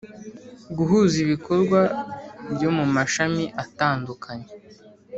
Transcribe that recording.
Guhuza ibikorwa byo mu mashami atandukanye